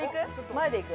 前で行く？